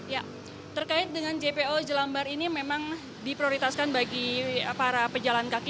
ya terkait dengan jpo jelambar ini memang diprioritaskan bagi para pejalan kaki